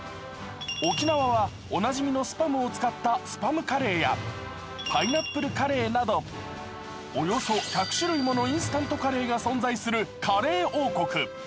沖縄はおなじみのスパムを使ったスパムカレーやパイナップルカレーなど、およそ１００種類ものインスタントカレーが存在するカレー王国。